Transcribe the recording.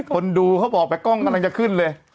คนดูเขาบอกแต่กล้องกำลังจะขึ้นเลย